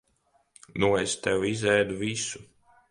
Nu es tev izēdu visu.